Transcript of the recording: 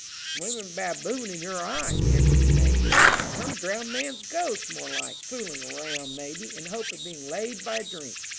Swimming baboon in your eye," answered the mate. " Some drowned man's ghost, more like, fooling round, maybe, in hope of being laid by a drink."